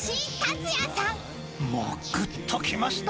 ［もうぐっときました。